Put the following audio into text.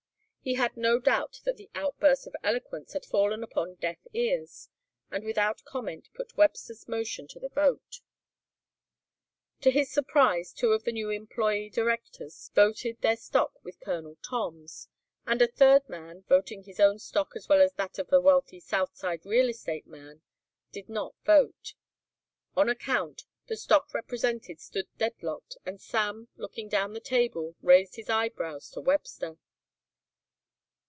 He had no doubt that the outburst of eloquence had fallen upon deaf ears and without comment put Webster's motion to the vote. To his surprise two of the new employé directors voted their stock with Colonel Tom's, and a third man, voting his own stock as well as that of a wealthy southside real estate man, did not vote. On a count the stock represented stood deadlocked and Sam, looking down the table, raised his eyebrows to Webster.